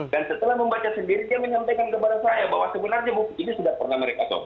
dan setelah membaca sendiri dia menyampaikan kepada saya bahwa sebenarnya buku ini sudah pernah mereka sopir